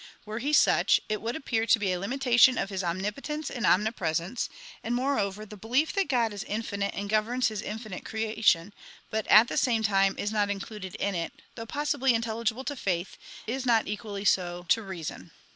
Were He such, it would appear to be a limitation of His omnipotence and omnipresence, and, moreover, the belief that God is infinite and governs His infinite creation, but at the same time is not included in it, though possibly intelligible to faith, is not equally so to reason.